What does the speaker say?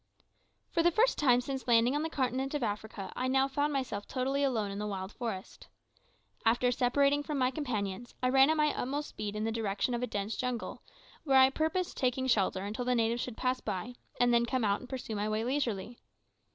For the first time since landing on the continent of Africa, I now found myself totally alone in the wild forest. After separating from my companions, I ran at my utmost speed in the direction of a dense jungle, where I purposed taking shelter until the natives should pass by, and then come out and pursue my way leisurely.